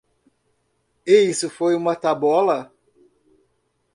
E isso foi uma tabola.